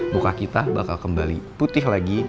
muka kita bakal kembali putih lagi